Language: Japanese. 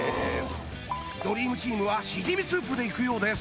ドリームチームはしじみスープでいくようです